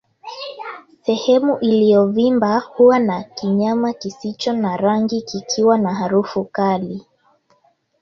Sehemu iliyovimba huwa na kinyama kisicho na rangi kikiwa na harufu kali